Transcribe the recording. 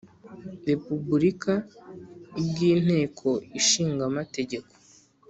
Repubulika, ubw’inteko Ishinga Amategeko,